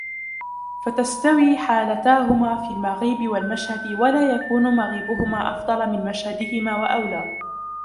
فَتَسْتَوِي حَالَتَاهُمَا فِي الْمَغِيبِ وَالْمَشْهَدِ وَلَا يَكُونُ مَغِيبُهُمَا أَفْضَلَ مِنْ مَشْهَدِهِمَا وَأَوْلَى